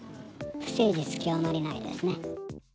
不誠実極まりないですね。